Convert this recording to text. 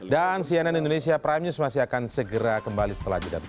dan cnn indonesia prime news masih akan segera kembali setelah ini